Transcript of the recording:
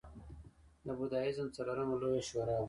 د بودیزم څلورمه لویه شورا وه